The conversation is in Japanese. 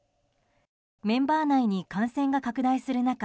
メンバー内に感染が拡大する中